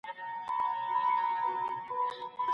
منطقي تسلسل د مقالې ښکلا ده.